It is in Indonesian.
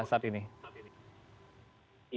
bagaimana menurut pak suprapto saat ini